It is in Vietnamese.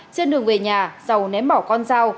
trên đường về nhà giàu ném bỏ con dao